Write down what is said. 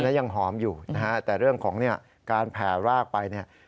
แล้วยังหอมอยู่นะฮะแต่เรื่องของเนี่ยการแผ่รากไปเนี่ย